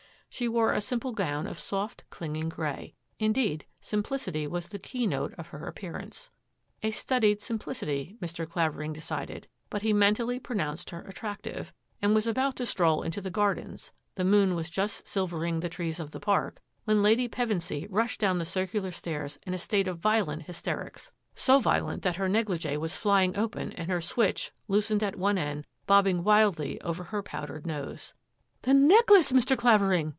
She wore a simple gown of soft, cling ing grey. Indeed, simplicity was the keynote of her appearance. A studied simplicity Mr. Clavering decided, but he mentally pronounced her attractive and was about to stroll into the gardens — the moon was just silvering the trees of the park — when Lady Pevensy rushed down the circular stairs in a state of violent hysterics, so violent that her negligee was 6 THAT AFFAIR AT THE MANOR flying open and her switch, loosened at one e bobbing wildly over her powdered nose. " The necklace, Mr. Clavering